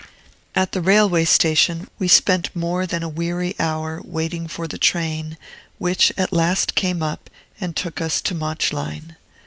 At the railway station we spent more than a weary hour, waiting for the train, which at last came up, and took us to Mauchline.